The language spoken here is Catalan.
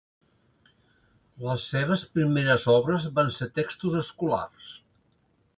Les seves primeres obres van ser textos escolars.